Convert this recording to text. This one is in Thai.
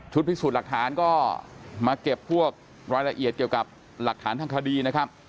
พิสูจน์หลักฐานก็มาเก็บพวกรายละเอียดเกี่ยวกับหลักฐานทางคดีนะครับ